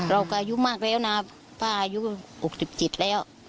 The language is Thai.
อายุมากแล้วนะป้าอายุ๖๗แล้ว